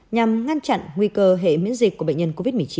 nhằm ngăn chặn nguy cơ hệ miễn dịch của bệnh nhân covid một mươi chín